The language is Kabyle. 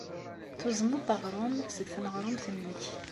Tuzneḍ-d aɣrum seg tneɣrumt-nnek.